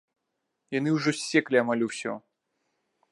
Яны ўжо ссеклі амаль усё.